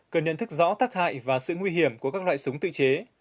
cần nhận thức rõ tác hại và sự nguy hiểm của các loại súng tự chế